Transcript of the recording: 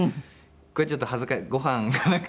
これちょっと恥ずかしいご飯がなんか。